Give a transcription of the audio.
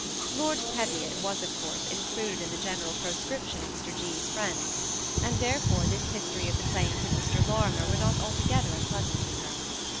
Lord Teviot was, of course, included in the general proscription of Mr. G.'s friends, and therefore this his tory of the claims of Mr. Lorimer was not altogether unpleasant to her.